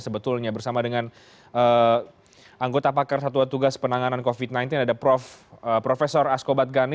sebetulnya bersama dengan anggota pakar satuan tugas penanganan covid sembilan belas ada prof asko badgani